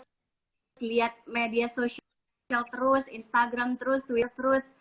terus liat media sosial terus instagram terus twitter terus